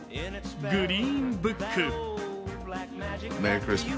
「グリーンブック」。